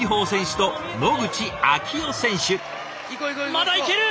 まだ行ける！